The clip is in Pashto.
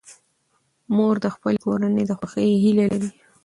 مور د خپلې کورنۍ د خوښۍ هیله لري.